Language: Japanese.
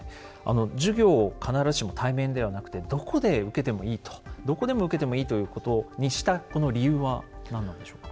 授業を必ずしも対面ではなくてどこで受けてもいいとどこでも受けてもいいということにしたこの理由は何なんでしょうか？